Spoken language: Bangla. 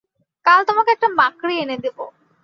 কাল তোমাকে একটা মাকড়ি এনে দেব।